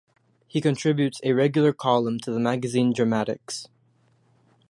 He contributes a regular column to the magazine, "Dramatics".